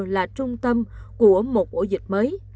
là trung tâm của một ổ dịch mới